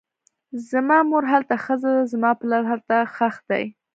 زما مور هلته ښخه ده, زما پلار هلته ښخ دی